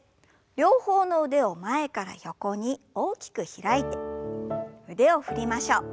両方の腕を前から横に大きく開いて腕を振りましょう。